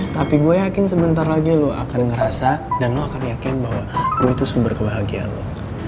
tapi gue yakin sebentar lagi lo akan ngerasa dan lo akan yakin bahwa lo itu sumber kebahagiaan lo